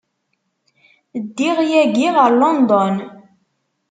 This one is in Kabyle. Ddiɣ yagi ɣer London.